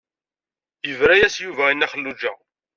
Yebra-yas Yuba i Nna Xelluǧa.